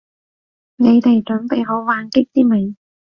你哋準備好玩激啲未？